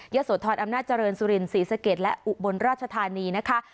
โสธรอำนาจเจริญสุรินศรีสะเกดและอุบลราชธานีนะคะ